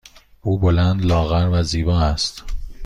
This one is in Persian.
او بلند، لاغر و زیبا است.